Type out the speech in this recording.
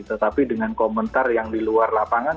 tetapi dengan komentar yang diluar lapangan